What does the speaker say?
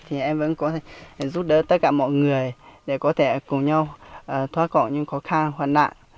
thì em vẫn có thể giúp đỡ tất cả mọi người để có thể cùng nhau thoát khỏi những khó khăn hoạn nạn